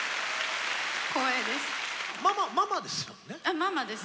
光栄です。